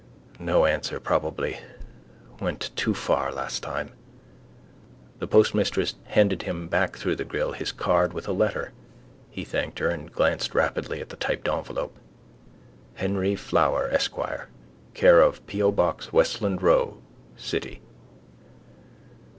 No answer probably. Went too far last time. The postmistress handed him back through the grill his card with a letter. He thanked her and glanced rapidly at the typed envelope. Henry Flower Esq, c/o P. O. Westland Row, City.